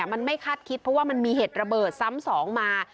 มันไม่คาดคิดเพราะว่ามันมีเหตุระเบิดซ้ำสองมา